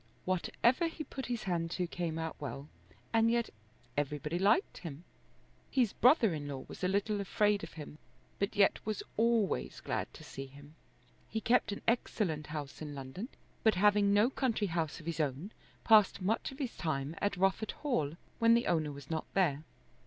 Whatever he put his hand to came out well; and yet everybody liked him His brother in law was a little afraid of him, but yet was always glad to see him. He kept an excellent house in London, but having no country house of his own passed much of his time at Rufford Hall when the owner was not there.